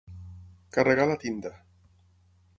Carregar la tinta.